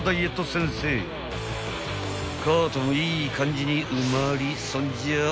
［カートもいい感じに埋まりそんじゃあ］